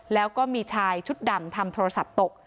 แล้วก็มีชายชุดดำทำโทรศัพท์ตก